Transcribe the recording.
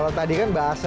kalau tadi kan bahasnya